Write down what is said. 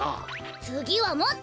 つぎはもっと。